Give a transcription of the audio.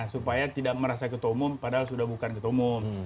supaya tidak merasa ketua umum padahal sudah bukan ketua umum